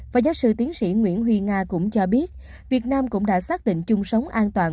và giáo sư tiến sĩ nguyễn huy nga cũng cho biết việt nam cũng đã xác định chung sống an toàn